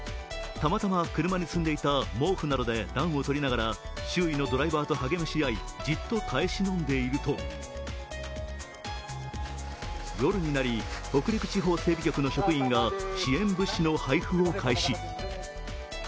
たまたま車に積んでいた毛布などで暖を取りながら周囲のドライバーとはげまし合い、じっと耐え忍んでいると、夜になり、北陸地方整備局の職員が支援物資の配布を開始。